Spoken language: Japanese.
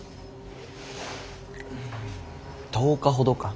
１０日ほどか。